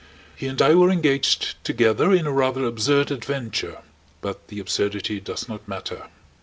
He and I were engaged together in a rather absurd adventure, but the absurdity does not matter.